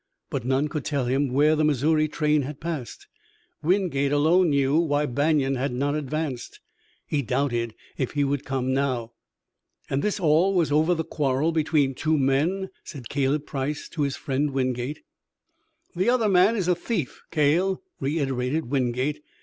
But none could tell him where the Missouri train had paused. Wingate alone knew why Banion had not advanced. He doubted if he would come now. "And this all was over the quarrel between two men," said Caleb Price to his friend Wingate. "The other man is a thief, Cale," reiterated Wingate.